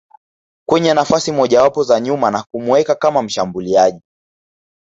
kwenye nafasi mojawapo za nyuma na kumuweka kama mshambuliaji